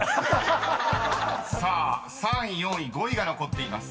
［３位４位５位が残っています